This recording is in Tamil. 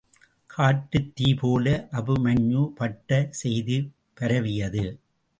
காட்டுத் தீப்போல அபிமன்யு பட்ட செய்திபரவியது.